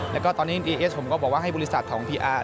แล้วก็ตอนนี้ดีเอสผมก็บอกว่าให้บริษัทของพีอาร์